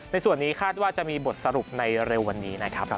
ส่วนนี้คาดว่าจะมีบทสรุปในเร็ววันนี้นะครับ